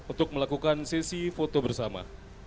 untuk melakukan sesi foto bersama